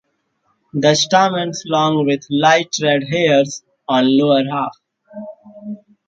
The stamens long with light red hairs on lower half.